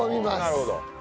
なるほど。